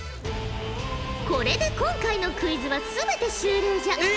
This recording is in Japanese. これで今回のクイズは全て終了じゃ。え？